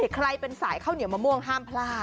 ใครเป็นสายข้าวเหนียวมะม่วงห้ามพลาด